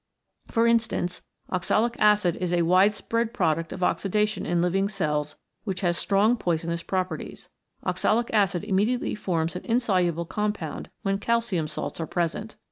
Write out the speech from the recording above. For instance, oxalic acid is a wide spread product of oxidation in living cells which has strong poisonous properties. Oxalic acid immediately forms an insoluble compound when calcium salts are present.